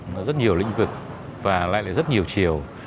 nó rất nhiều lĩnh vực và lại rất nhiều chiều